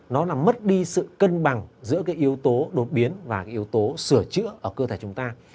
nó là mất đi sự cân bằng giữa cái yếu tố đột biến và cái yếu tố sửa chữa ở cơ thể chúng ta